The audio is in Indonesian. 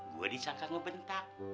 gue disangka ngebentak